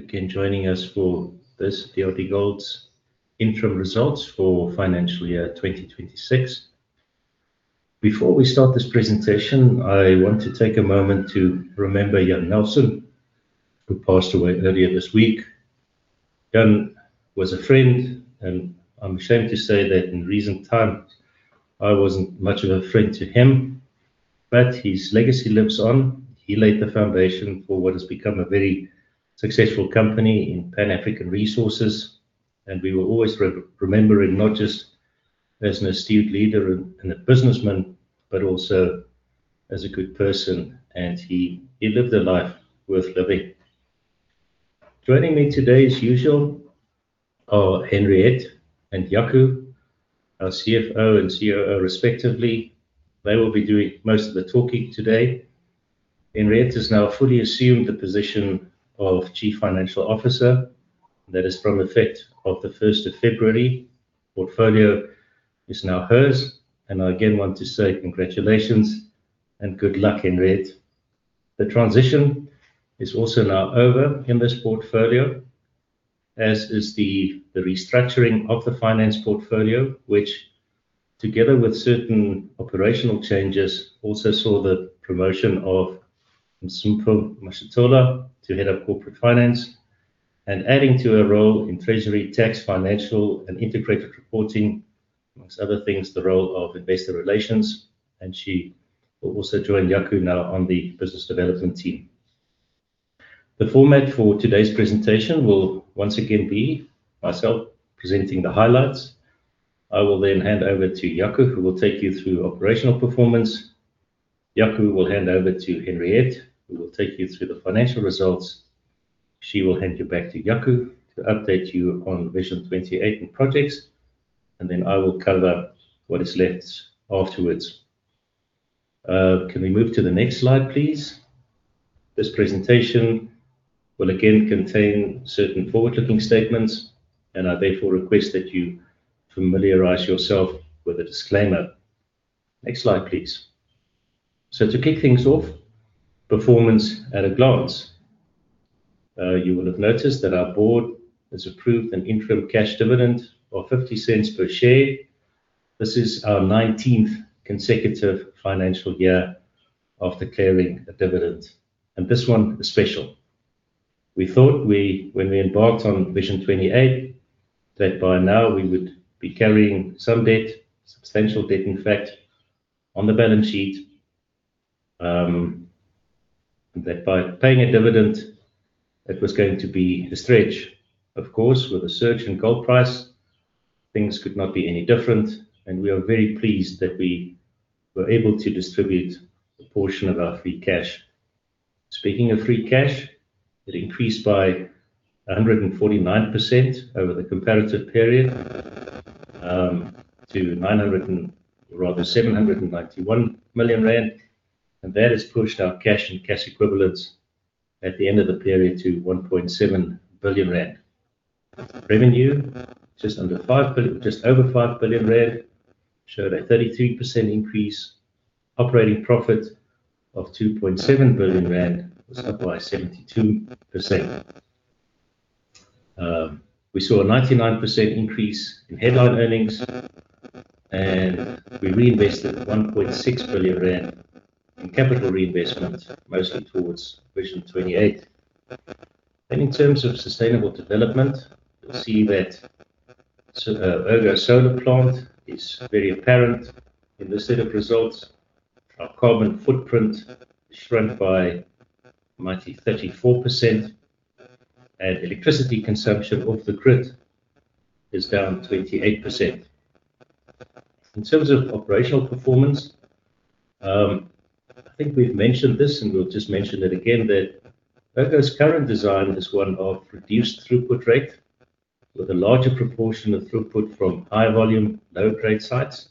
Thank you for again joining us for this DRDGOLD's Interim Results for Financial Year 2026. Before we start this presentation, I want to take a moment to remember Jan Nelson, who passed away earlier this week. Jan was a friend, and I'm ashamed to say that in recent times, I wasn't much of a friend to him, but his legacy lives on. He laid the foundation for what has become a very successful company in Pan African Resources, and we will always re-remember him, not just as an astute leader and, and a businessman, but also as a good person, and he, he lived a life worth living. Joining me today as usual, are Henriette and Jaco, our CFO and COO, respectively. They will be doing most of the talking today. Henriette has now fully assumed the position of Chief Financial Officer. That is effective from the first of February. Portfolio is now hers, and I again want to say congratulations and good luck, Henriette. The transition is also now over in this portfolio, as is the restructuring of the finance portfolio, which, together with certain operational changes, also saw the promotion of Mpho Mashatola to head up corporate finance, and adding to her role in treasury, tax, financial, and integrated reporting, amongst other things, the role of investor relations, and she will also join Jaco now on the business development team. The format for today's presentation will once again be myself presenting the highlights. I will then hand over to Jaco, who will take you through operational performance. Jaco will hand over to Henriette, who will take you through the financial results. She will hand you back to Jaco to update you on Vision 2028 and projects, and then I will cover what is left afterwards. Can we move to the next slide, please? This presentation will again contain certain forward-looking statements, and I therefore request that you familiarize yourself with the disclaimer. Next slide, please. To kick things off, performance at a glance. You will have noticed that our board has approved an interim cash dividend of 0.50 per share. This is our nineteenth consecutive financial year of declaring a dividend, and this one is special. We thought, when we embarked on Vision 2028, that by now we would be carrying some debt, substantial debt, in fact, on the balance sheet. That by paying a dividend, that was going to be a stretch. Of course, with a surge in gold price, things could not be any different, and we are very pleased that we were able to distribute a portion of our free cash. Speaking of free cash, it increased by 149% over the comparative period to 791 million rand, and that has pushed our cash and cash equivalents at the end of the period to 1.7 billion rand. Revenue, just over 5 billion rand, showed a 33% increase. Operating profit of 2.7 billion rand was up by 72%. We saw a 99% increase in headline earnings, and we reinvested 1.6 billion rand in capital reinvestment, mostly towards Vision 2028. In terms of sustainable development, you'll see that, so, Ergo solar plant is very apparent in the set of results. Our carbon footprint shrunk by 93.4%, and electricity consumption off the grid is down 28%. In terms of operational performance, I think we've mentioned this, and we'll just mention it again, that Ergo's current design is one of reduced throughput rate with a larger proportion of throughput from high volume, low-grade sites.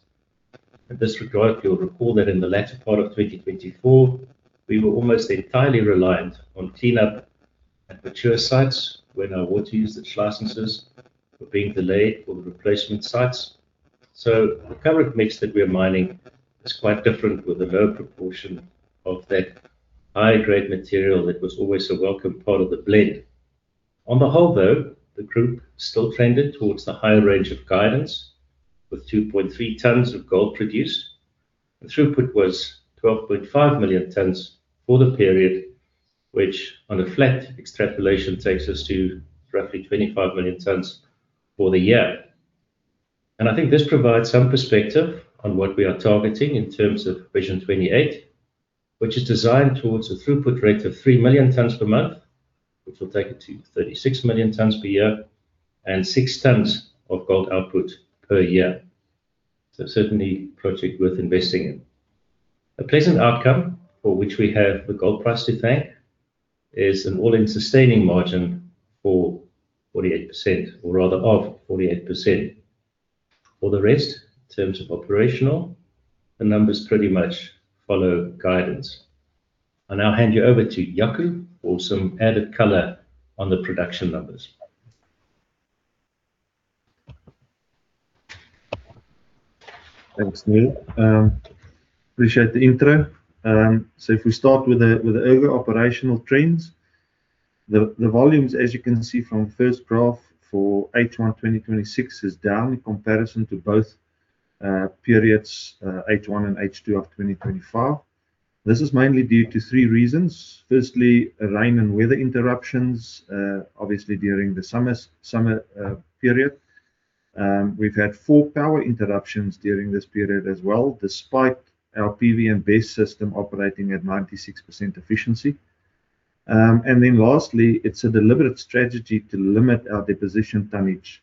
In this regard, you'll recall that in the latter part of 2024, we were almost entirely reliant on clean up at mature sites when our water usage licenses were being delayed for the replacement sites. So the current mix that we are mining is quite different, with a low proportion of that high-grade material that was always a welcome part of the blend. On the whole, though, the group still trended towards the higher range of guidance, with 2.3 tons of gold produced. The throughput was 12.5 million tons for the period, which on a flat extrapolation, takes us to roughly 25 million tons for the year. I think this provides some perspective on what we are targeting in terms of Vision 2028, which is designed towards a throughput rate of 3 million tons per month, which will take it to 36 million tons per year and 6 tons of gold output per year. So certainly, a project worth investing in. A pleasant outcome for which we have the gold price to thank, is an all-in sustaining margin of 48%, or rather of 48%. For the rest, in terms of operational, the numbers pretty much follow guidance. I now hand you over to Jaco for some added color on the production numbers. Thanks, Niël. Appreciate the intro. So if we start with the Ergo operational trends, the volumes, as you can see from first graph for H1 2026, is down in comparison to both periods, H1 and H2 of 2025. This is mainly due to three reasons: firstly, rain and weather interruptions, obviously during the summer period. We've had four power interruptions during this period as well, despite our PV and BESS system operating at 96% efficiency. And then lastly, it's a deliberate strategy to limit our deposition tonnage,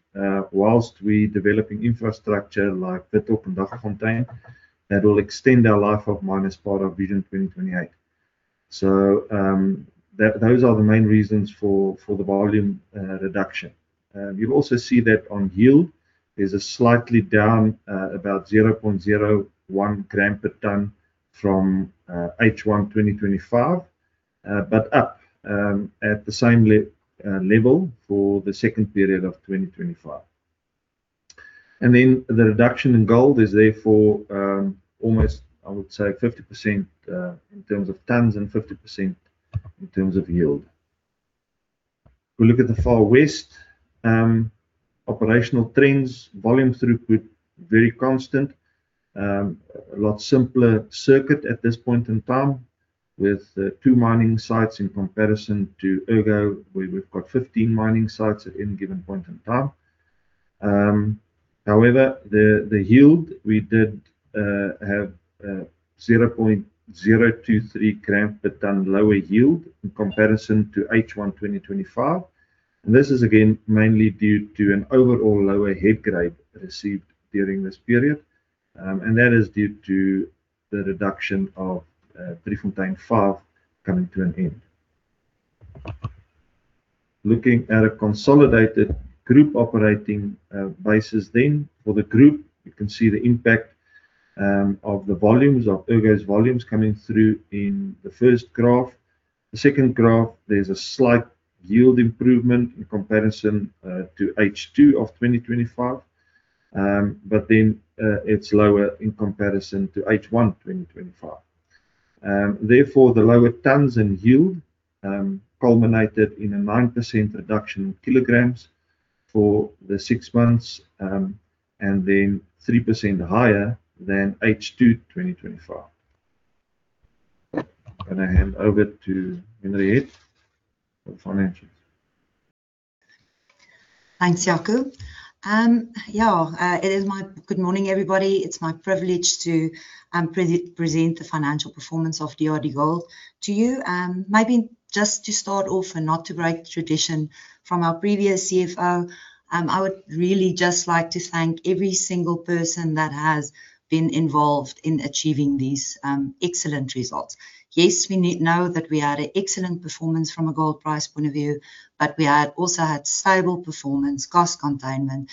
while we're developing infrastructure like Withok and Daggafontein, that will extend our Life of Mine as part of Vision 2028. So, those are the main reasons for the volume reduction. You'll also see that on yield, there's a slightly down, about 0.01 gram per ton from H1 2025, but up at the same level for the second period of 2025. And then the reduction in gold is therefore almost, I would say, 50% in terms of tons and 50% in terms of yield. We look at the Far West operational trends, volume throughput, very constant. A lot simpler circuit at this point in time, with two mining sites in comparison to Ergo, where we've got 15 mining sites at any given point in time. However, the yield, we did have 0.023 gram per tonne lower yield in comparison to H1 2025, and this is again mainly due to an overall lower head grade received during this period. And that is due to the reduction of Driefontein 5 coming to an end. Looking at a consolidated group operating basis then for the group, you can see the impact of the volumes, of Ergo's volumes coming through in the first graph. The second graph, there's a slight yield improvement in comparison to H2 of 2025. But then it's lower in comparison to H1 2025. Therefore, the lower tonnes and yield culminated in a 9% reduction in kilograms for the six months, and then 3% higher than H2 2025. I'm gonna hand over to Henriette for financials. Thanks, Jaco. Good morning, everybody. It's my privilege to present the financial performance of DRDGOLD to you. Maybe just to start off, and not to break tradition from our previous CFO, I would really just like to thank every single person that has been involved in achieving these excellent results. Yes, we know that we had an excellent performance from a gold price point of view, but we had also had stable performance, cost containment,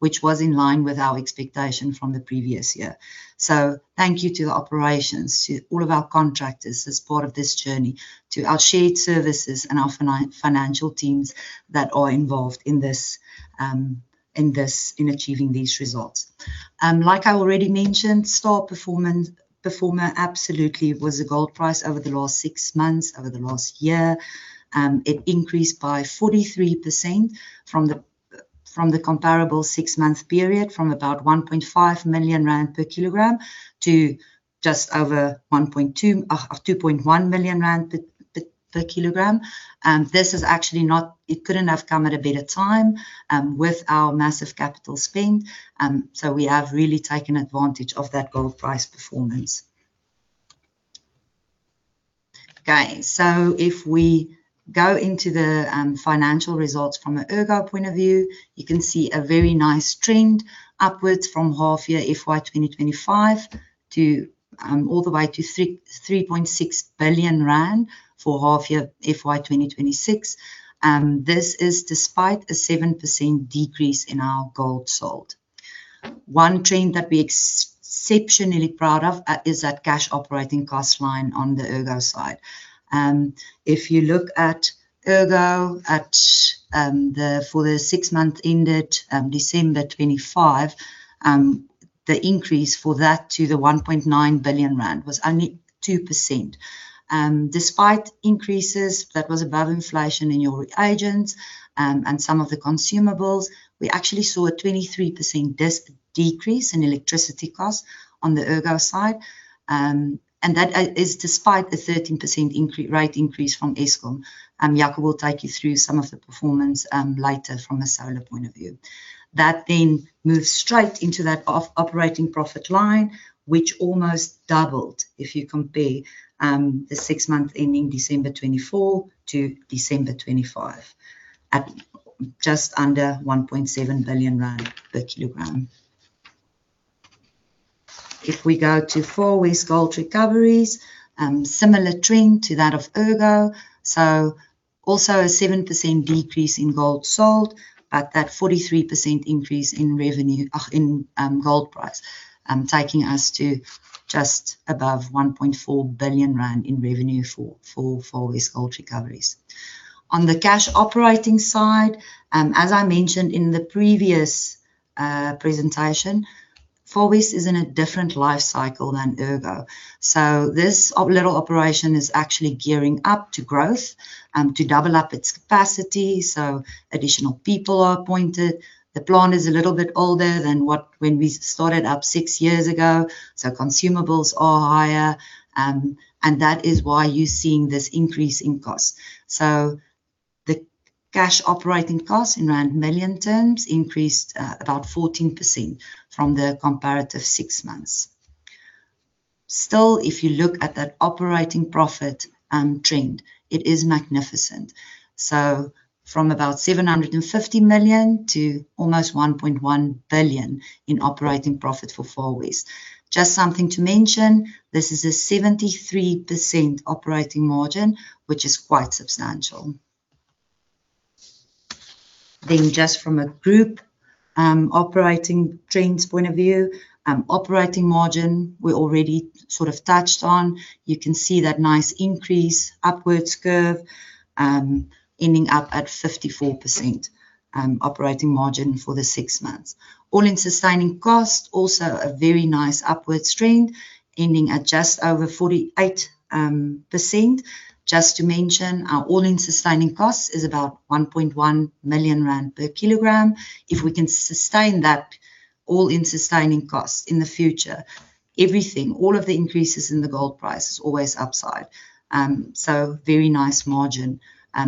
which was in line with our expectation from the previous year. So thank you to the operations, to all of our contractors, as part of this journey, to our shared services and our financial teams that are involved in this, in achieving these results. Like I already mentioned, star performer absolutely was the gold price over the last six months, over the last year. It increased by 43% from the, from the comparable six-month period, from about 1.5 million rand per kilogram to just over two point one million rand per kilogram. This is actually not it couldn't have come at a better time, with our massive capital spend. So we have really taken advantage of that gold price performance. Okay, so if we go into the financial results from an Ergo point of view, you can see a very nice trend upwards from half year FY 2025 to all the way to 3.6 billion rand for half year FY 2026. This is despite a 7% decrease in our gold sold. One trend that we're exceptionally proud of is that cash operating cost line on the Ergo side. If you look at Ergo, for the six month ended December 2025, the increase for that to the 1.9 billion rand was only 2%. Despite increases that was above inflation in your reagents, and some of the consumables, we actually saw a 23% decrease in electricity costs on the Ergo side. And that is despite the 13% rate increase from Eskom. Jaco will take you through some of the performance later from a solar point of view. That then moves straight into that operating profit line, which almost doubled if you compare the six month ending December 2024 to December 2025, at just under 1.7 billion rand per kilogram. If we go to Far West Gold Recoveries, similar trend to that of Ergo. So also a 7% decrease in gold sold, but that 43% increase in revenue, in gold price, taking us to just above 1.4 billion rand in revenue for Far West Gold Recoveries. On the cash operating side, as I mentioned in the previous, presentation, Far West is in a different life cycle than Ergo. So this little operation is actually gearing up to growth, to double up its capacity, so additional people are appointed. The plant is a little bit older than when we started up 6 years ago, so consumables are higher, and that is why you're seeing this increase in costs. The cash operating costs in rand million terms increased about 14% from the comparative six months. Still, if you look at that operating profit trend, it is magnificent. From about 750 million to almost 1.1 billion in operating profit for Far West. Just something to mention, this is a 73% operating margin, which is quite substantial. Then just from a group operating trends point of view, operating margin, we already sort of touched on. You can see that nice increase, upwards curve, ending up at 54% operating margin for the six months. All-in sustaining cost, also a very nice upward trend, ending at just over 48%. Just to mention, our all-in sustaining cost is about 1.1 million rand per kilogram. If we can sustain that all-in sustaining cost in the future, everything, all of the increases in the gold price is always upside. So very nice margin,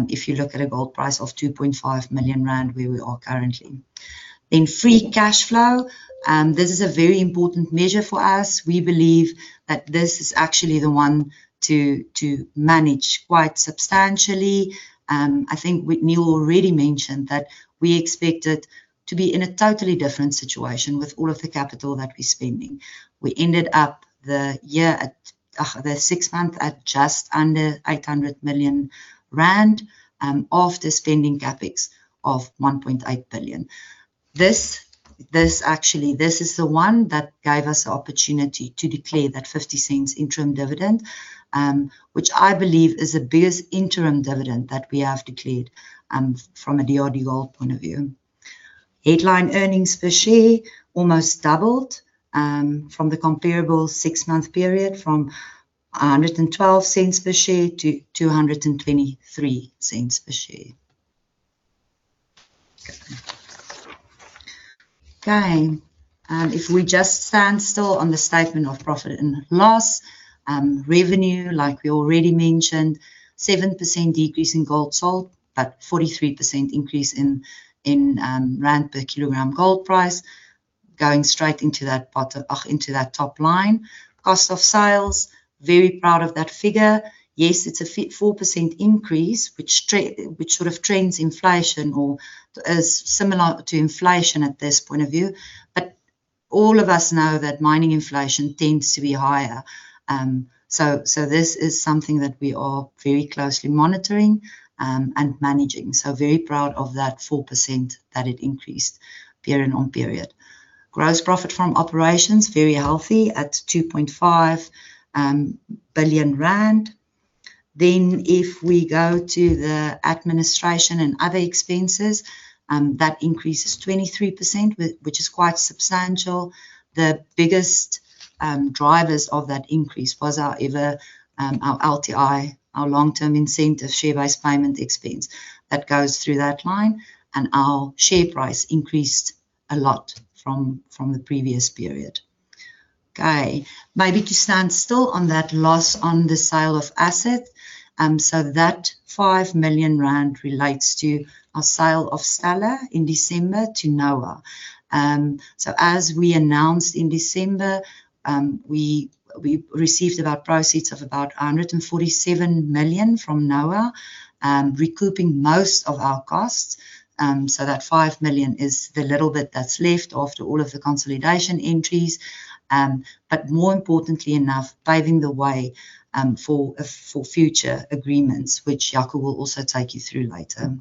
if you look at a gold price of 2.5 million rand, where we are currently. Then free cash flow, this is a very important measure for us. We believe that this is actually the one to, to manage quite substantially. I think Niël already mentioned that we expected to be in a totally different situation with all of the capital that we're spending. We ended up the year at, the six months at just under 800 million rand, after spending CapEx of 1.8 billion. This, this actually, this is the one that gave us the opportunity to declare that 0.50 interim dividend, which I believe is the biggest interim dividend that we have declared from a DRDGOLD point of view. Headline earnings per share almost doubled from the comparable six-month period, from 1.12 per share to 2.23 per share. Okay. If we just stand still on the statement of profit and loss, revenue, like we already mentioned, 7% decrease in gold sold, but 43% increase in rand per kilogram gold price, going straight into that bottom, ach, into that top line. Cost of sales, very proud of that figure. Yes, it's a 4% increase, which sort of trends inflation or is similar to inflation at this point of view. But all of us know that mining inflation tends to be higher. So this is something that we are very closely monitoring and managing. So very proud of that 4% that it increased period-on-period. Gross profit from operations, very healthy at 2.5 billion rand. Then if we go to the administration and other expenses, that increase is 23%, which is quite substantial. The biggest drivers of that increase was our ever, our LTI, our long-term incentive, share-based payment expense. That goes through that line, and our share price increased a lot from the previous period. Okay. Maybe to stand still on that loss on the sale of asset. So that 5 million rand relates to our sale of Stellar in December to NOA. So as we announced in December, we received about proceeds of about 147 million from NOA, recouping most of our costs. So that 5 million is the little bit that's left after all of the consolidation entries. But more importantly enough, paving the way for a, for future agreements, which Jaco will also take you through later.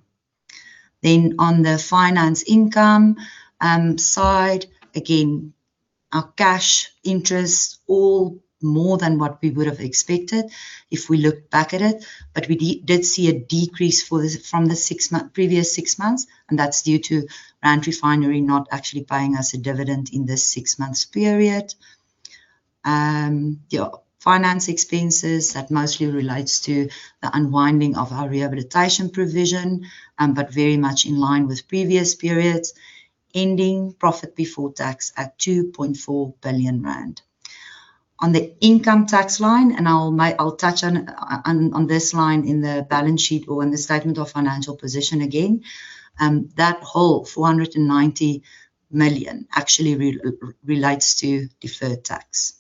Then on the finance income side, again, our cash interest all more than what we would have expected if we look back at it. But we did see a decrease for this from the previous six months, and that's due to Rand Refinery not actually paying us a dividend in this six months period. Yeah, finance expenses, that mostly relates to the unwinding of our rehabilitation provision, but very much in line with previous periods, ending profit before tax at 2.4 billion rand. On the income tax line, and I'll touch on this line in the balance sheet or in the statement of financial position again. That whole 490 million actually relates to deferred tax.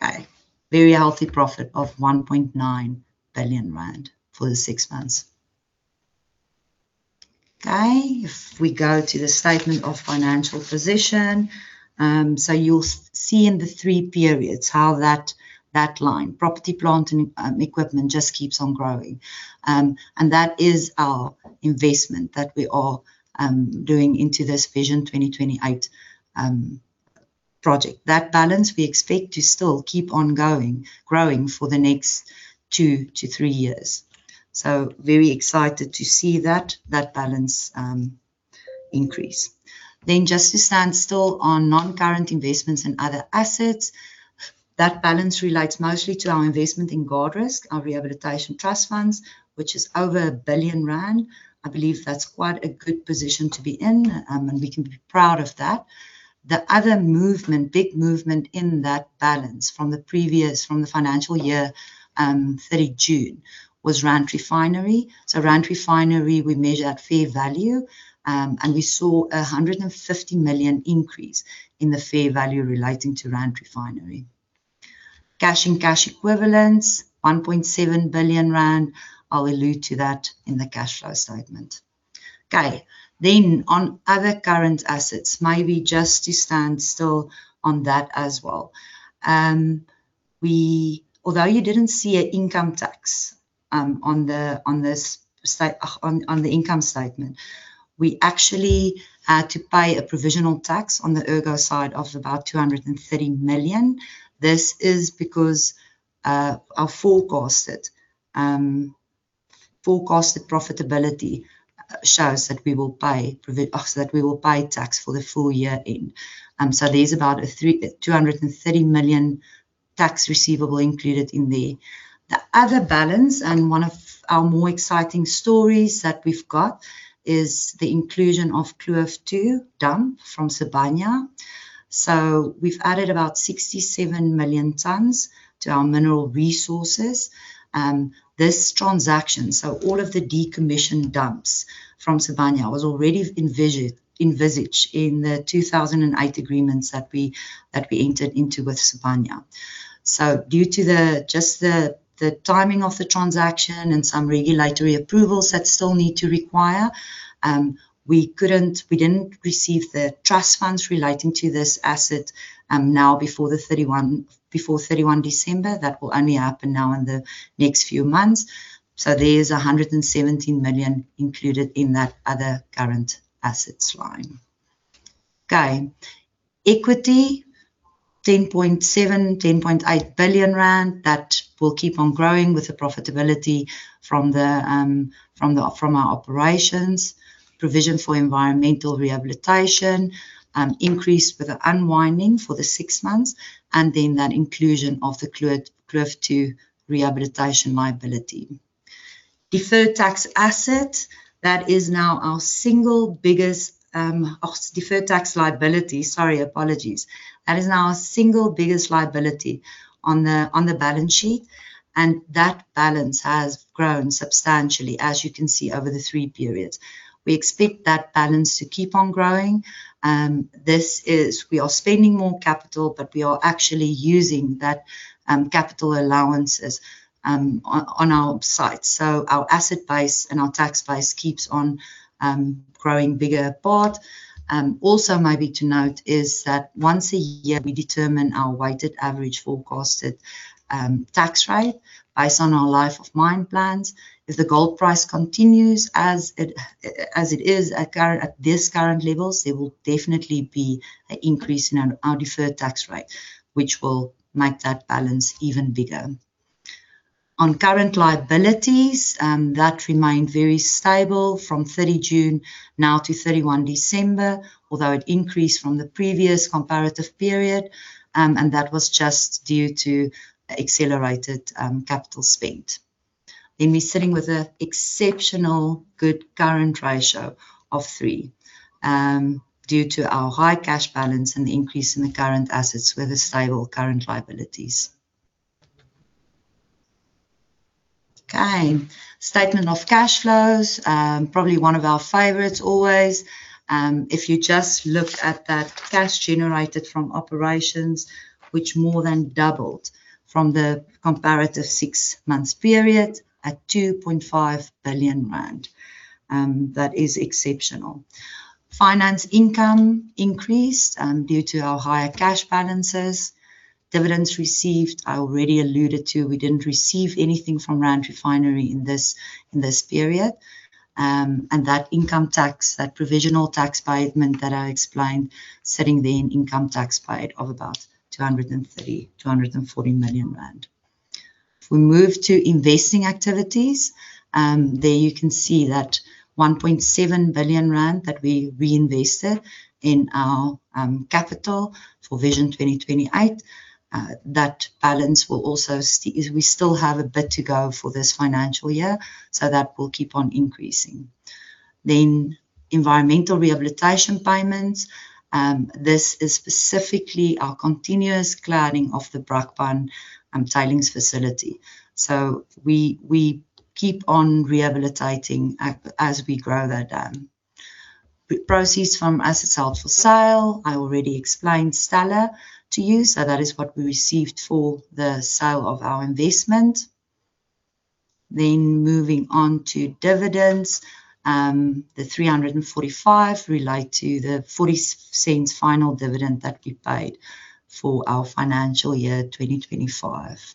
Okay. Very healthy profit of 1.9 billion rand for the six months. Okay. If we go to the statement of financial position, so you'll see in the three periods how that line, property, plant, and equipment, just keeps on growing. And that is our investment that we are doing into this Vision 2028 project. That balance, we expect to still keep on going, growing for the next 2-3 years. So very excited to see that, that balance, increase. Then just to stand still on non-current investments and other assets, that balance relates mostly to our investment in Guardrisk, our rehabilitation trust funds, which is over 1 billion rand. I believe that's quite a good position to be in, and we can be proud of that. The other movement, big movement in that balance from the previous, from the financial year, 30 June, was Rand Refinery. So Rand Refinery, we measure at fair value, and we saw a 150 million increase in the fair value relating to Rand Refinery. Cash and cash equivalents, 1.7 billion rand. I'll allude to that in the cash flow statement. Okay. Then on other current assets, maybe just to stand still on that as well. We, although you didn't see an income tax on the income statement, we actually had to pay a provisional tax on the Ergo side of about 230 million. This is because our forecasted profitability shows that we will pay tax for the full year end. So there's about 230 million tax receivable included in there. The other balance, and one of our more exciting stories that we've got, is the inclusion of Kloof 2 dump from Sibanye. So we've added about 67 million tons to our mineral resources. This transaction, all of the decommissioned dumps from Sibanye, was already envisaged in the 2008 agreements that we entered into with Sibanye. Due to the timing of the transaction and some regulatory approvals that still need to require, we couldn't—we didn't receive the trust funds relating to this asset now before 31 December. That will only happen now in the next few months. There is 117 million included in that other current assets line. Okay. Equity, 10.7-10.8 billion rand, that will keep on growing with the profitability from our operations. Provision for environmental rehabilitation increased with the unwinding for the six months, and then that inclusion of the Kloof 2 rehabilitation liability. Deferred tax asset, that is now our single biggest deferred tax liability, sorry, apologies. That is now our single biggest liability on the balance sheet, and that balance has grown substantially, as you can see, over the three periods. We expect that balance to keep on growing. We are spending more capital, but we are actually using that capital allowances on our site. So our asset base and our tax base keeps on growing bigger apart. Also maybe to note is that once a year, we determine our weighted average forecasted tax rate based on our Life of Mine plans. If the gold price continues as it is at this current levels, there will definitely be an increase in our deferred tax rate, which will make that balance even bigger. On current liabilities, that remained very stable from 30 June now to 31 December, although it increased from the previous comparative period, and that was just due to accelerated capital spend. Then we're sitting with a exceptional good current ratio of three, due to our high cash balance and the increase in the current assets with a stable current liabilities. Okay. Statement of cash flows, probably one of our favorites always. If you just look at that cash generated from operations, which more than doubled from the comparative six months period at 2.5 billion rand, that is exceptional. Finance income increased, due to our higher cash balances. Dividends received, I already alluded to, we didn't receive anything from Rand Refinery in this period. And that income tax, that provisional tax payment that I explained, sitting the income tax paid of about 230 million-240 million rand. If we move to investing activities, there you can see that 1.7 billion rand that we reinvested in our capital for Vision 2028. That balance will also as we still have a bit to go for this financial year, so that will keep on increasing. Then environmental rehabilitation payments, this is specifically our continuous cladding of the Brakpan tailings facility. So we keep on rehabilitating as we grow that dump. Proceeds from assets held for sale, I already explained Stellar to you, so that is what we received for the sale of our investment. Then moving on to dividends, the 345 relate to the 0.40 final dividend that we paid for our financial year, 2025.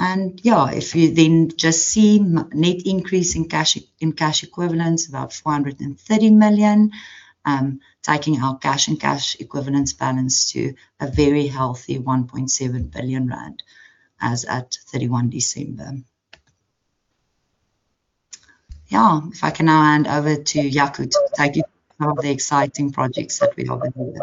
And yeah, if you then just see net increase in cash, in cash equivalents, about 430 million. Taking our cash and cash equivalents balance to a very healthy 1.7 billion rand, as at 31 December. Yeah, if I can now hand over to Jaco to take you through some of the exciting projects that we have delivered.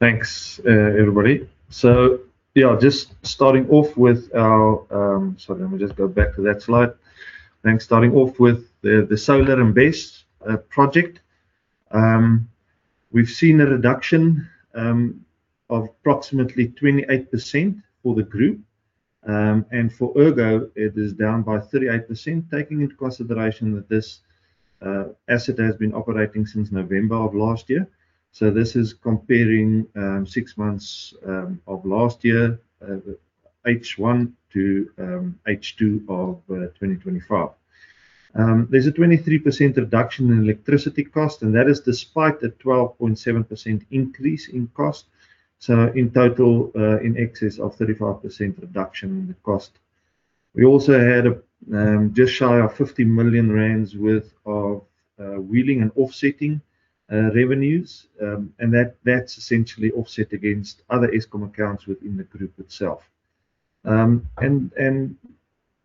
Thanks, everybody. So yeah, just starting off with our... Sorry, let me just go back to that slide. Then starting off with the solar and BESS project. We've seen a reduction of approximately 28% for the group. And for Ergo, it is down by 38%, taking into consideration that this asset has been operating since November of last year. So this is comparing six months of last year, H1 to H2 of 2025. There's a 23% reduction in electricity cost, and that is despite the 12.7% increase in cost. So in total, in excess of 35% reduction in the cost. We also had a just shy of 50 million rand worth of wheeling and offsetting revenues. That's essentially offset against other Eskom accounts within the group itself.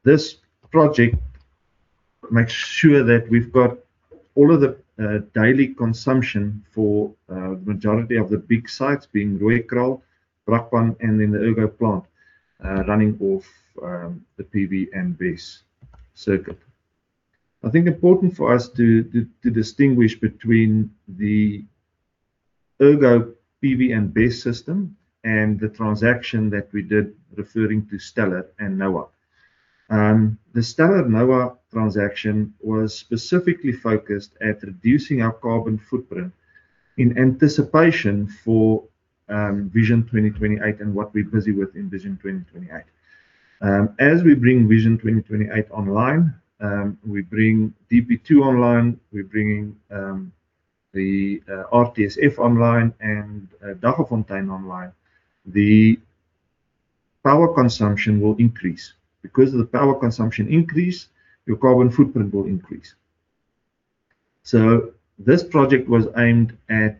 This project makes sure that we've got all of the daily consumption for a majority of the big sites, being Rooikraal, Brakpan, and then the Ergo plant, running off the PV and BESS circuit. I think important for us to distinguish between the Ergo PV and BESS system and the transaction that we did referring to Stellar and NOA. The Stellar/NOA transaction was specifically focused at reducing our carbon footprint in anticipation for Vision 2028 and what we're busy with in Vision 2028. As we bring Vision 2028 online, we bring DP2 online, we're bringing the RTSF online, and Daggafontein online. The power consumption will increase. Because of the power consumption increase, your carbon footprint will increase. So this project was aimed at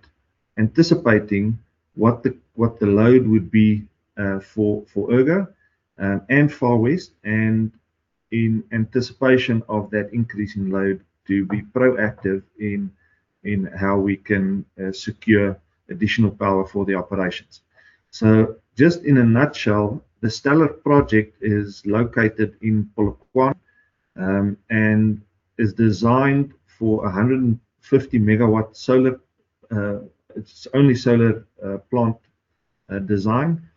anticipating what the load would be for Ergo and Far West, and in anticipation of that increase in load, to be proactive in how we can secure additional power for the operations. So just in a nutshell, the Stellar project is located in Polokwane and is designed for 150 MW solar. It's only solar plant design.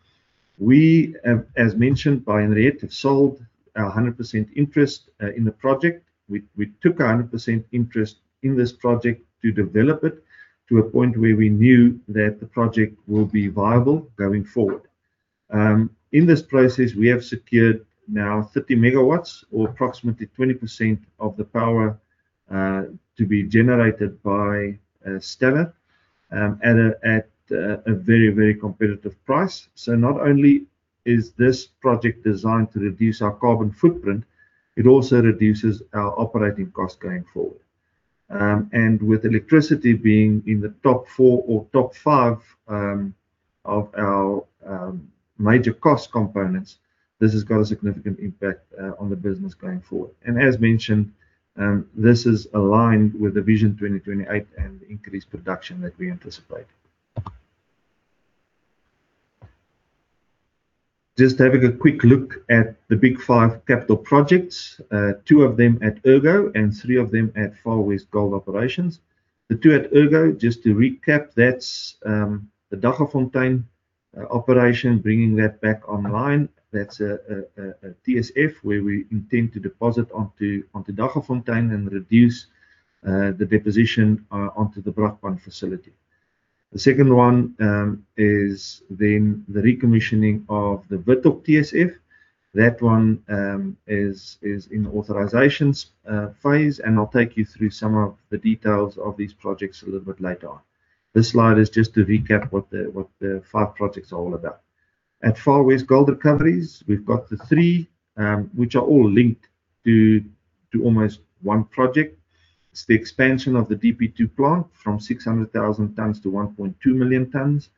We, as mentioned by Henriette, have sold our 100% interest in the project. We took a 100% interest in this project to develop it to a point where we knew that the project will be viable going forward. In this process, we have secured now 30 megawatts, or approximately 20% of the power, to be generated by Stellar, at a very, very competitive price. So not only is this project designed to reduce our carbon footprint, it also reduces our operating cost going forward. And with electricity being in the top four or top five of our major cost components, this has got a significant impact on the business going forward. And as mentioned, this is aligned with the Vision 2028 and increased production that we anticipate. Just having a quick look at the big five capital projects, two of them at Ergo and three of them at Far West Gold Operations. The two at Ergo, just to recap, that's the Daggafontein operation, bringing that back online. That's a TSF, where we intend to deposit onto Daggafontein and reduce the deposition onto the Brakpan facility. The second one is then the recommissioning of the Withok TSF. That one is in authorizations phase, and I'll take you through some of the details of these projects a little bit later on. This slide is just to recap what the five projects are all about. At Far West Gold Recoveries, we've got the three, which are all linked to almost one project. It's the expansion of the DP2 plant from 600,000 tons to 1.2 million tons.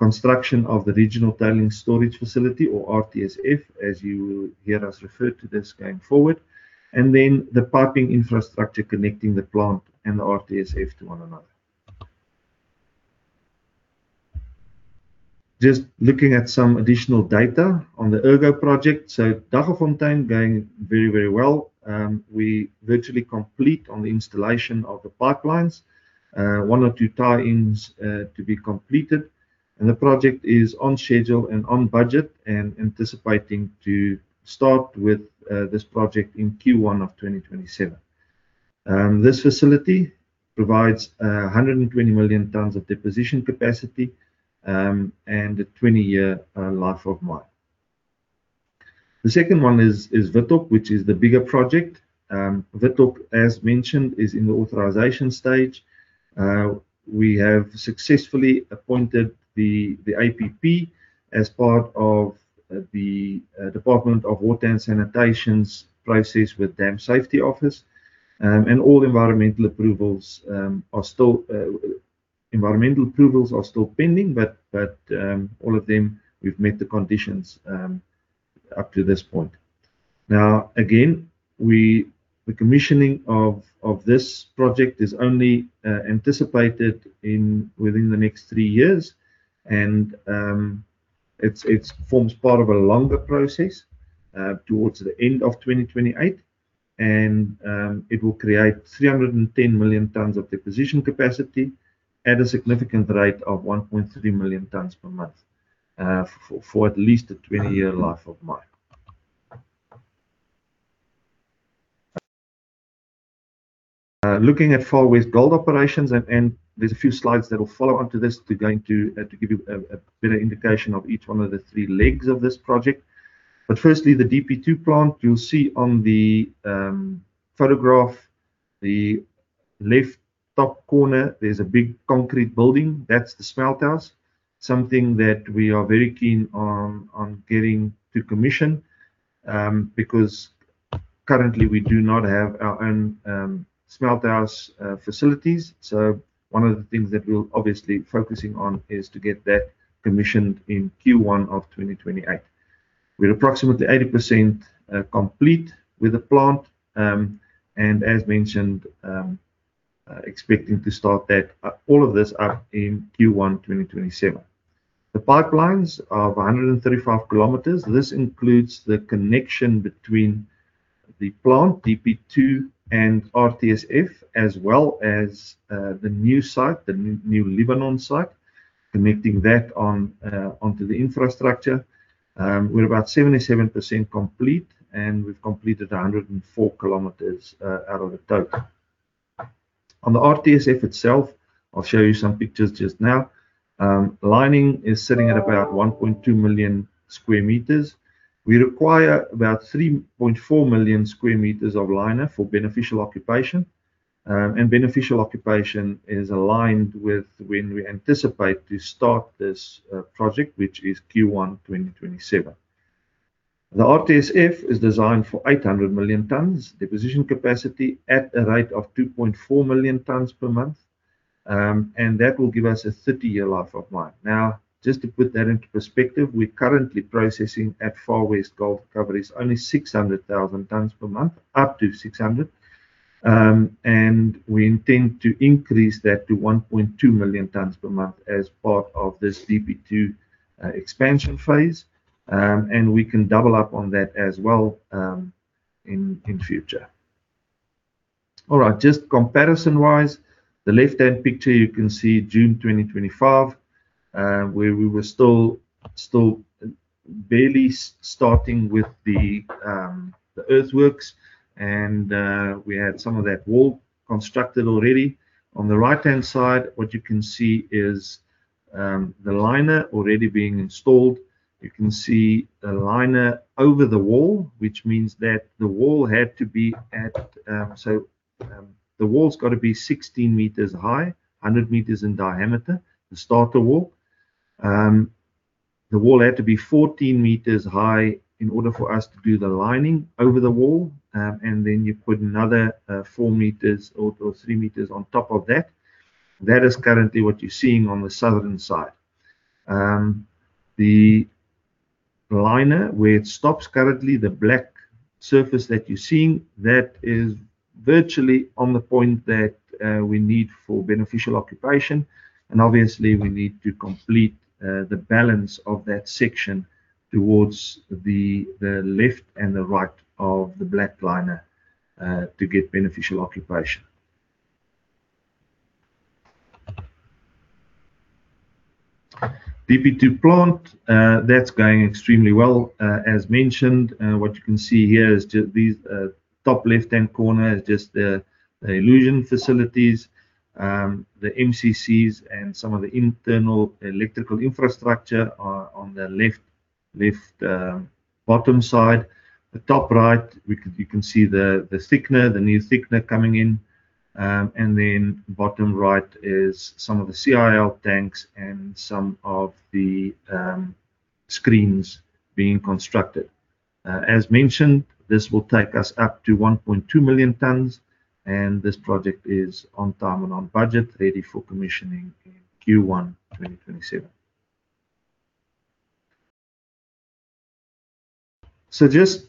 Construction of the Regional Tailings Storage Facility, or RTSF, as you will hear us refer to this going forward, and then the piping infrastructure connecting the plant and the RTSF to one another. Just looking at some additional data on the Ergo project. So Daggafontein going very, very well. We virtually complete on the installation of the pipelines. One or two tie-ins to be completed, and the project is on schedule and on budget, and anticipating to start with this project in Q1 of 2027. This facility provides 120 million tons of deposition capacity, and a 20-year life of mine. The second one is Withok, which is the bigger project. Withok, as mentioned, is in the authorization stage. We have successfully appointed the IPP as part of the Department of Water and Sanitation's process with Dam Safety Office. And all environmental approvals are still pending, but all of them, we've met the conditions up to this point. Now, again, the commissioning of this project is only anticipated within the next three years, and it forms part of a longer process towards the end of 2028. And it will create 310 million tons of deposition capacity at a significant rate of 1.3 million tons per month for at least a 20-year life of mine. Looking at Far West Gold operations, and there's a few slides that will follow on to this, going to give you a better indication of each one of the three legs of this project. Firstly, the DP2 plant, you'll see on the photograph, the left top corner, there's a big concrete building. That's the smelt house. Something that we are very keen on getting to commission because currently, we do not have our own smelt house facilities. So one of the things that we're obviously focusing on is to get that commissioned in Q1 of 2028. We're approximately 80% complete with the plant, and as mentioned, expecting to start that all of this in Q1, 2027. The pipelines are 135 km. This includes the connection between the plant, DP2, and RTSF, as well as the new site, the new, new Libanon site, connecting that on onto the infrastructure. We're about 77% complete, and we've completed 104 km out of the total. On the RTSF itself, I'll show you some pictures just now. Lining is sitting at about 1.2 million sq m. We require about 3.4 million sq m of liner for beneficial occupation. Beneficial occupation is aligned with when we anticipate to start this project, which is Q1 2027. The RTSF is designed for 800 million tons deposition capacity at a rate of 2.4 million tons per month, and that will give us a 30-year life of mine. Now, just to put that into perspective, we're currently processing at Far West Gold Recoveries only 600,000 tons per month, up to 600. We intend to increase that to 1.2 million tons per month as part of this DP2 expansion phase. We can double up on that as well, in future. All right, just comparison-wise, the left-hand picture, you can see June 2025, where we were still barely starting with the earthworks, and we had some of that wall constructed already. On the right-hand side, what you can see is the liner already being installed. You can see the liner over the wall, which means that the wall had to be at. So, the wall's got to be 16 meters high, 100 meters in diameter, the starter wall. The wall had to be 14 meters high in order for us to do the lining over the wall. You put another 4 meters or 3 meters on top of that. That is currently what you're seeing on the southern side. The liner, where it stops currently, the black surface that you're seeing, that is virtually on the point that we need for beneficial occupation. Obviously, we need to complete the balance of that section towards the left and the right of the black liner to get beneficial occupation. DP2 plant, that's going extremely well. As mentioned, what you can see here is just these top left-hand corner is just the elution facilities. The MCCs and some of the internal electrical infrastructure are on the left, left bottom side. The top right, you can see the thickener, the new thickener coming in. And then bottom right is some of the CIL tanks and some of the screens being constructed. As mentioned, this will take us up to 1.2 million tons, and this project is on time and on budget, ready for commissioning in Q1 2027. So just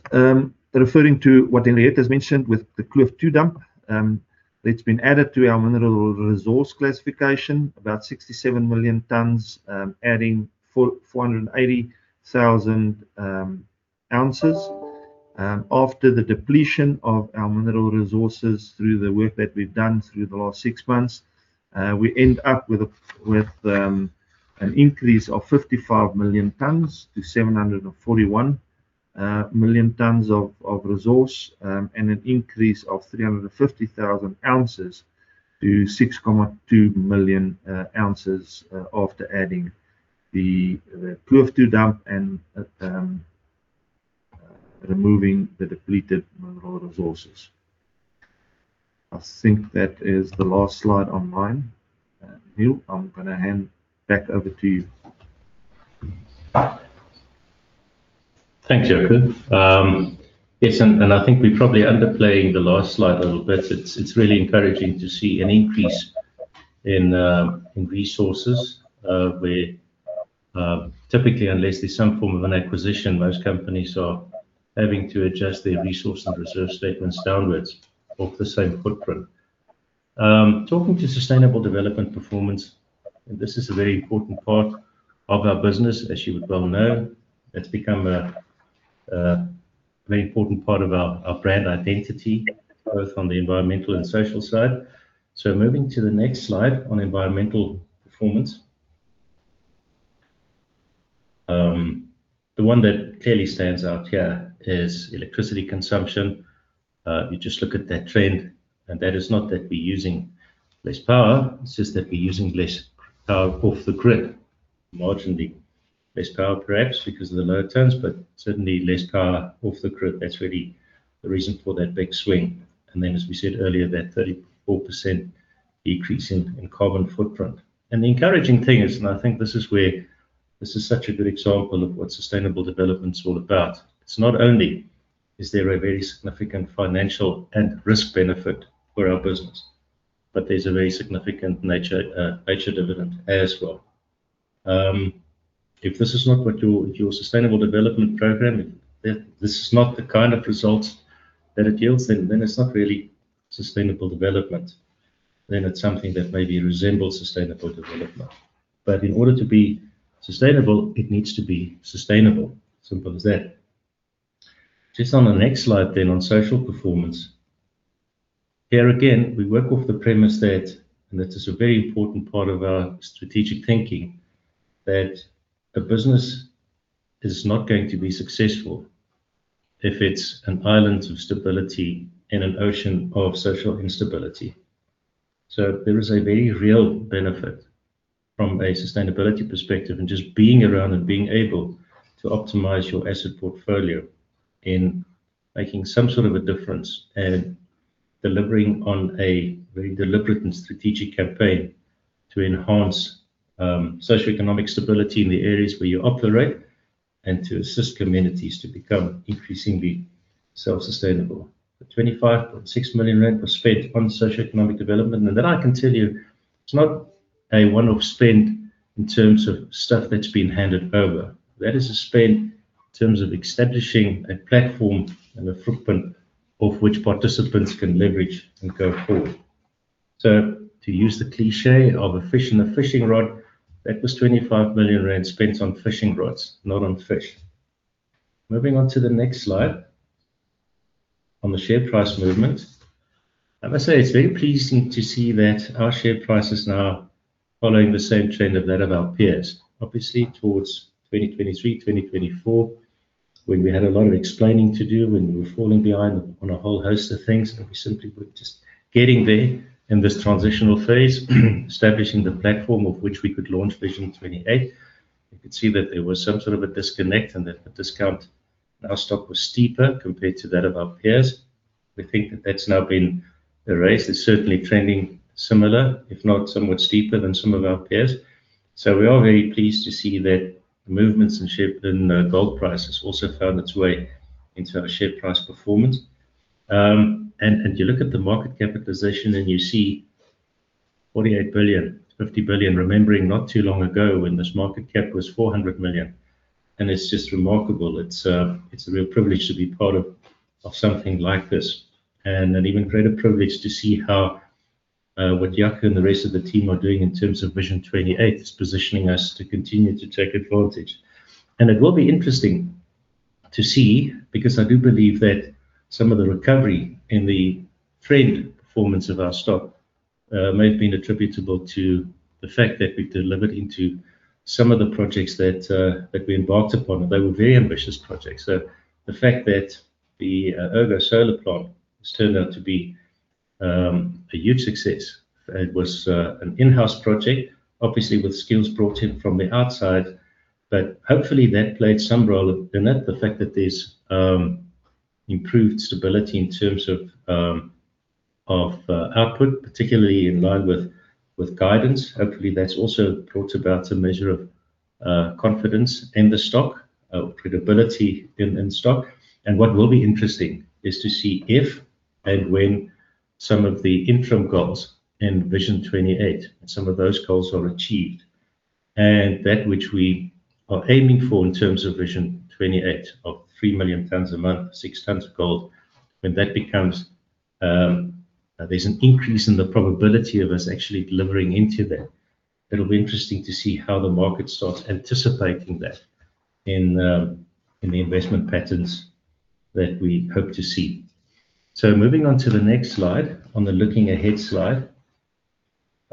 referring to what Henriette has mentioned with the Kloof 2 dump, that's been added to our mineral resource classification, about 67 million tons, adding 480,000 ounces. After the depletion of our mineral resources through the work that we've done through the last six months, we end up with an increase of 55 million tons to 741 million tons of resource, and an increase of 350,000 ounces to 6.2 million ounces, after adding the Kloof 2 dump and removing the depleted mineral resources. I think that is the last slide on mine. And, Niël, I'm gonna hand back over to you. Thanks, Jaco. Yes, and, and I think we're probably underplaying the last slide a little bit. It's, it's really encouraging to see an increase in, in resources, where, typically, unless there's some form of an acquisition, most companies are having to adjust their resource and reserve statements downwards off the same footprint. Talking to sustainable development performance, and this is a very important part of our business, as you would well know. It's become a, a very important part of our, our brand identity, both on the environmental and social side. So moving to the next slide on environmental performance. The one that clearly stands out here is electricity consumption. You just look at that trend, and that is not that we're using less power, it's just that we're using less power off the grid. Marginally less power, perhaps, because of the load turns, but certainly less power off the grid. That's really the reason for that big swing. And then, as we said earlier, that 34% decrease in carbon footprint. And the encouraging thing is, and I think this is where this is such a good example of what sustainable development is all about, it's not only is there a very significant financial and risk benefit for our business, but there's a very significant nature, nature dividend as well. If this is not what your sustainable development program, then this is not the kind of results that it yields, then it's not really sustainable development. Then it's something that maybe resembles sustainable development. But in order to be sustainable, it needs to be sustainable. Simple as that. Just on the next slide, then, on social performance. Here again, we work off the premise that, and this is a very important part of our strategic thinking, that a business is not going to be successful if it's an island of stability in an ocean of social instability. So there is a very real benefit from a sustainability perspective, and just being around and being able to optimize your asset portfolio in making some sort of a difference, and delivering on a very deliberate and strategic campaign to enhance socioeconomic stability in the areas where you operate, and to assist communities to become increasingly self-sustainable. The 25.6 million rand was spent on socioeconomic development, and that I can tell you, it's not a one-off spend in terms of stuff that's been handed over. That is a spend in terms of establishing a platform and a footprint of which participants can leverage and go forward. So to use the cliché of a fish and a fishing rod, that was 25 million rand spent on fishing rods, not on fish. Moving on to the next slide, on the share price movement. I must say, it's very pleasing to see that our share price is now following the same trend of that of our peers. Obviously, towards 2023, 2024, when we had a lot of explaining to do, when we were falling behind on a whole host of things, and we simply were just getting there in this transitional phase, establishing the platform of which we could launch Vision 28. You could see that there was some sort of a disconnect and that the discount, our stock was steeper compared to that of our peers. We think that that's now been erased. It's certainly trending similar, if not somewhat steeper than some of our peers. So we are very pleased to see that the movements in share-- in gold price has also found its way into our share price performance. And you look at the market capitalization, and you see 48 billion, 50 billion, remembering not too long ago when this market cap was 400 million, and it's just remarkable. It's, it's a real privilege to be part of, of something like this, and an even greater privilege to see how what Jaco and the rest of the team are doing in terms of Vision 2028 is positioning us to continue to take advantage. It will be interesting to see, because I do believe that some of the recovery in the trend performance of our stock may have been attributable to the fact that we've delivered into some of the projects that that we embarked upon, and they were very ambitious projects. So the fact that the Ergo solar plant has turned out to be a huge success. It was an in-house project, obviously with skills brought in from the outside, but hopefully, that played some role in that. The fact that there's improved stability in terms of of output, particularly in line with with guidance, hopefully, that's also brought about a measure of confidence in the stock, of credibility in in stock. What will be interesting is to see if and when some of the interim goals in Vision 2028, some of those goals are achieved. That which we are aiming for in terms of Vision 2028, of 3 million tons a month, 6 tons of gold, when that becomes, there's an increase in the probability of us actually delivering into that. It'll be interesting to see how the market starts anticipating that in, in the investment patterns that we hope to see. Moving on to the next slide, on the looking ahead slide.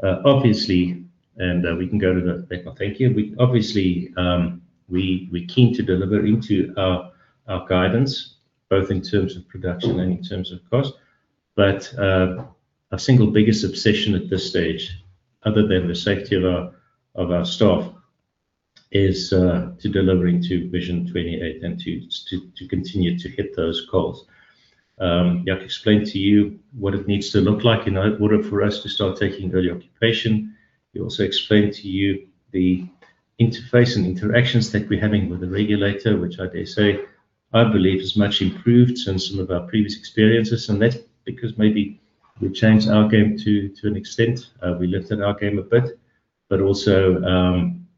Obviously, we can go to the thank you. We're keen to deliver into our guidance, both in terms of production and in terms of cost. But our single biggest obsession at this stage, other than the safety of our staff-... is to delivering to Vision 2028 and to continue to hit those goals. I've explained to you what it needs to look like in order for us to start taking early occupation. We also explained to you the interface and interactions that we're having with the regulator, which I dare say, I believe is much improved since some of our previous experiences, and that's because maybe we changed our game to an extent. We lifted our game a bit, but also,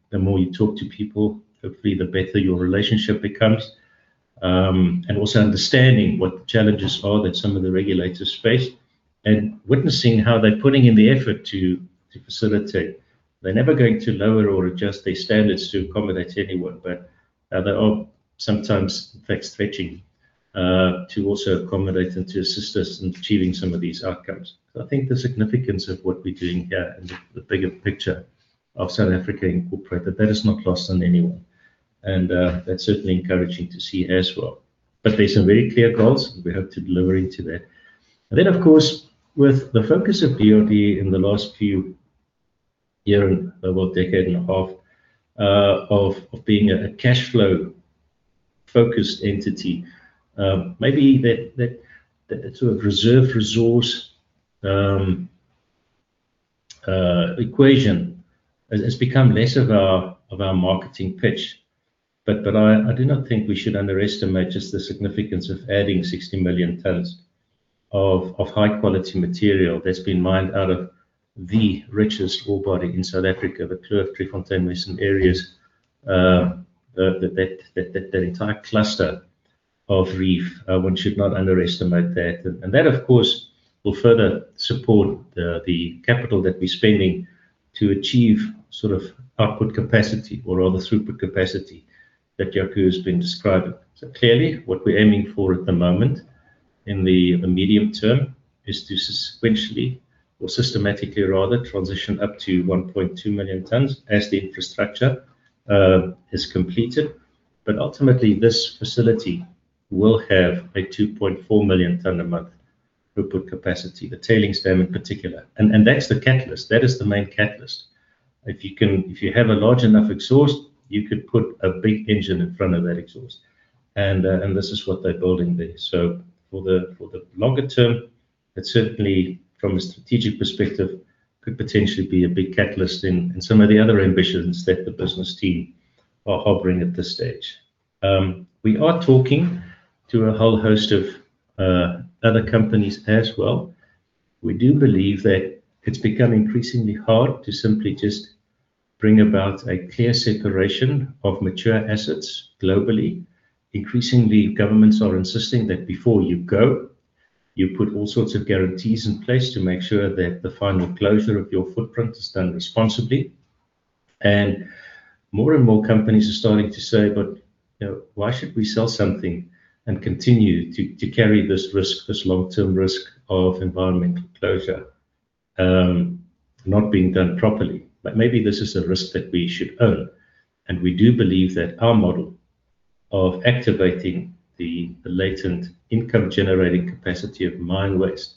the more you talk to people, hopefully, the better your relationship becomes. And also understanding what the challenges are that some of the regulators face, and witnessing how they're putting in the effort to facilitate. They're never going to lower or adjust their standards to accommodate anyone, but they are sometimes flex stretching to also accommodate and to assist us in achieving some of these outcomes. So I think the significance of what we're doing here and the bigger picture of South Africa Incorporated, that is not lost on anyone, and that's certainly encouraging to see as well. But there are some very clear goals we have to deliver into that. And then, of course, with the focus of DRD in the last few year and about decade and a half of being a cashflow-focused entity, maybe that sort of reserve resource equation has become less of our marketing pitch. But I do not think we should underestimate just the significance of adding 60 million tons of high-quality material that's been mined out of the richest ore body in South Africa, the Kloof Driefontein license areas. That entire cluster of reef, one should not underestimate that. And that, of course, will further support the capital that we're spending to achieve sort of output capacity or rather throughput capacity that Jaco has been describing. So clearly, what we're aiming for at the moment in the medium term, is to sequentially or systematically rather transition up to 1.2 million tons as the infrastructure is completed. But ultimately, this facility will have a 2.4 million tons a month throughput capacity, the tailings dam in particular. And that's the catalyst. That is the main catalyst. If you have a large enough exhaust, you could put a big engine in front of that exhaust, and this is what they're building there. So for the longer term, it certainly, from a strategic perspective, could potentially be a big catalyst in some of the other ambitions that the business team are harboring at this stage. We are talking to a whole host of other companies as well. We do believe that it's become increasingly hard to simply just bring about a clear separation of mature assets globally. Increasingly, governments are insisting that before you go, you put all sorts of guarantees in place to make sure that the final closure of your footprint is done responsibly. More and more companies are starting to say, "But, you know, why should we sell something and continue to, to carry this risk, this long-term risk of environmental closure, not being done properly? But maybe this is a risk that we should own." We do believe that our model of activating the latent income-generating capacity of mine waste,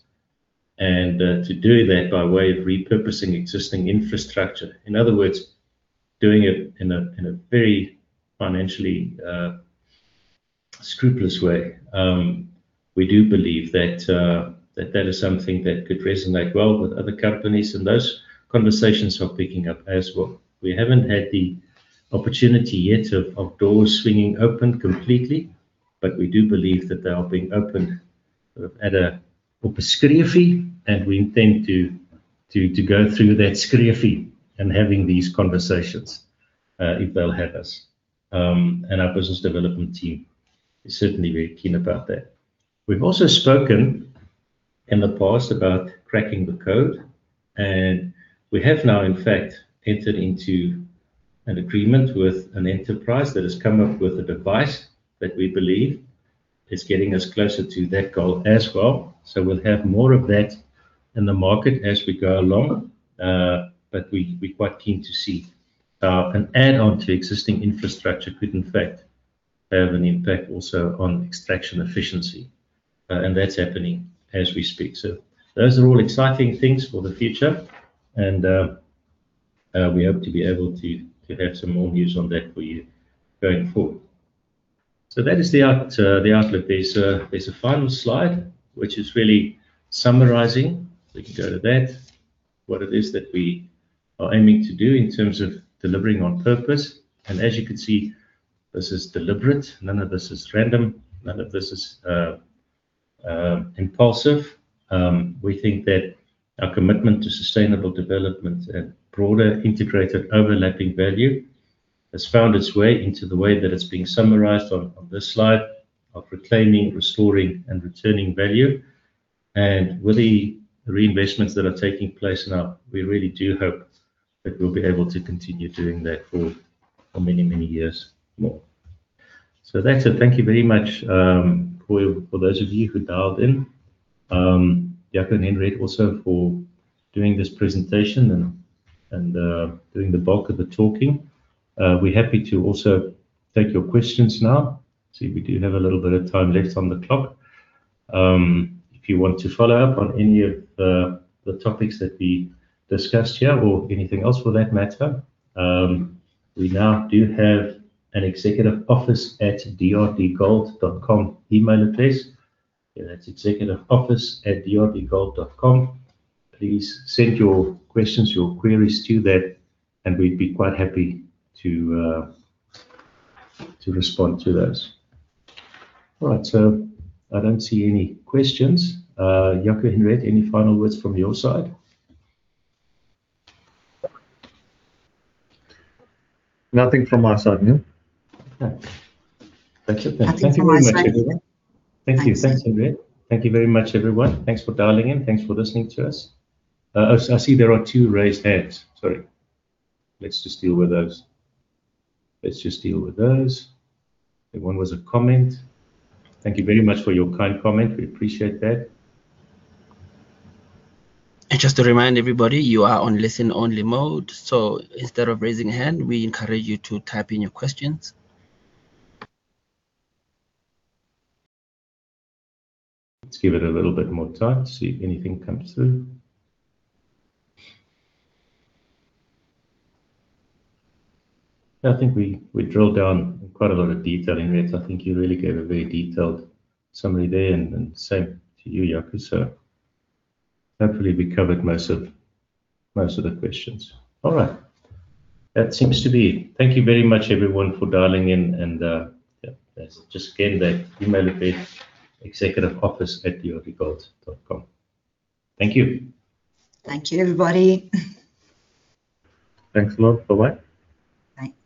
and to doing that by way of repurposing existing infrastructure, in other words, doing it in a, in a very financially scrupulous way. We do believe that that that is something that could resonate well with other companies, and those conversations are picking up as well. We haven't had the opportunity yet of doors swinging open completely, but we do believe that they are being opened at a open skrefie, and we intend to go through that skrefie and having these conversations, if they'll have us. And our business development team is certainly very keen about that. We've also spoken in the past about cracking the code, and we have now, in fact, entered into an agreement with an enterprise that has come up with a device that we believe is getting us closer to that goal as well. So we'll have more of that in the market as we go along, but we, we're quite keen to see. An add on to existing infrastructure could in fact have an impact also on extraction efficiency, and that's happening as we speak. So those are all exciting things for the future, and we hope to be able to have some more news on that for you going forward. So that is the outlook. There's a final slide, which is really summarizing, we can go to that, what it is that we are aiming to do in terms of delivering on purpose. And as you can see, this is deliberate. None of this is random, none of this is impulsive. We think that our commitment to sustainable development and broader, integrated, overlapping value has found its way into the way that it's being summarized on this slide of reclaiming, restoring, and returning value. And with the reinvestments that are taking place now, we really do hope that we'll be able to continue doing that for many years more. So that's it. Thank you very much, for those of you who dialed in. Jaco and Henriette, also for doing this presentation and doing the bulk of the talking. We're happy to also take your questions now. I see we do have a little bit of time left on the clock. If you want to follow up on any of the topics that we discussed here or anything else for that matter, we now do have an executive office at drdgold.com email address, and that's executiveoffice@drdgold.com. Please send your questions, your queries to that, and we'd be quite happy to respond to those. All right. So I don't see any questions. Jaco, Henriette, any final words from your side? Nothing from my side, Niël. Okay. That's it then. Nothing from my side. Thank you very much, everyone. Thank you. Thanks, Henriette. Thank you very much, everyone. Thanks for dialing in. Thanks for listening to us. Oh, I see there are two raised hands. Sorry. Let's just deal with those. Let's just deal with those. That one was a comment. Thank you very much for your kind comment. We appreciate that. Just to remind everybody, you are on listen-only mode, so instead of raising a hand, we encourage you to type in your questions. Let's give it a little bit more time to see if anything comes through. I think we drilled down in quite a lot of detail, Henriette. I think you really gave a very detailed summary there, and same to you, Jaco. So hopefully, we covered most of the questions. All right. That seems to be it. Thank you very much, everyone, for dialing in, and yeah, just again, the email address, executiveoffice@drdgold.com. Thank you. Thank you, everybody. Thanks a lot. Bye-bye. Bye.